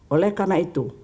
oleh karena itu